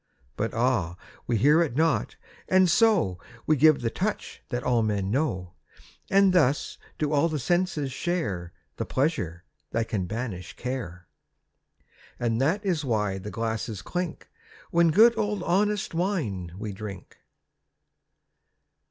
But ah, we hear it not, and so We give the touch that all men know. And thus do all the senses share The pleasure that can banish care. And that is why the glasses clink When good old honest wine we drink.